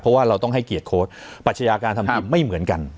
เพราะว่าเราต้องให้เกียรติโค้ชปัชญาการทำทีมไม่เหมือนกัน